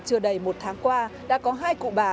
chưa đầy một tháng qua đã có hai cụ bà